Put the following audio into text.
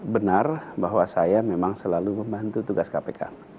benar bahwa saya memang selalu membantu tugas kpk